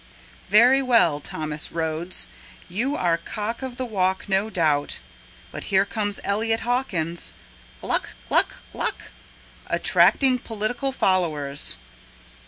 Very well, Thomas Rhodes, You are cock of the walk, no doubt. But here comes Elliott Hawkins, Gluck, Gluck, Gluck, attracting political followers.